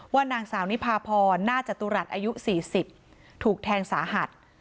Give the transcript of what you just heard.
นางสาวนิพาพรหน้าจตุรัสอายุ๔๐ถูกแทงสาหัส